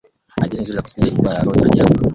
hadithi nzuri ya kusikitisha ilikuwa ya rose na jack